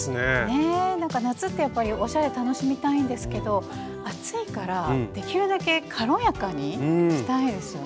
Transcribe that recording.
なんか夏ってやっぱりおしゃれ楽しみたいんですけど暑いからできるだけ軽やかにしたいですよね。